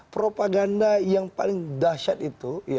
propaganda yang paling dahsyat itu